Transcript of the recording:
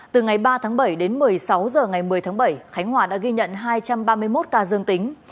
từ ngày ba tháng bảy đến một mươi sáu h ngày một mươi tháng bảy khánh hòa đã ghi nhận hai trăm ba mươi một ca dương tính